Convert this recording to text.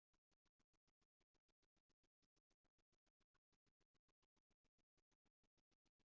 ko warangije kugera munsi y’igiti. Wahageze?” Kamuhanda ati: “Oya